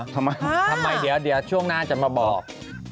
ทำไมทำไมเดี๋ยวช่วงหน้าจะมาบอก